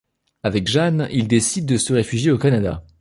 Avec Jane, ils décident de se réfugier au Canada.